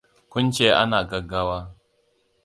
Kun ce ana gaggawa.